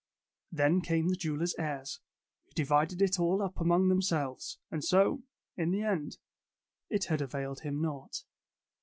Then came the jeweller's heirs, who divided it all up among themselves, and so, in the end, it had availed him naught.